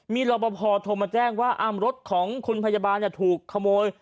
มีรอปภโทรมาแจ้งว่ารถของคุณพยาบาลถูกขโมย